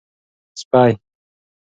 سپۍ